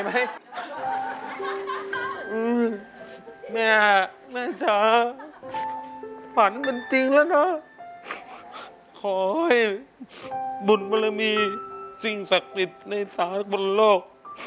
อืมแม่แม่ชาวฝันเป็นจริงแล้วน่ะขอให้บุญพลมีสิ่งศักดิ์สิทธิ์ในสาธารณะบนโลก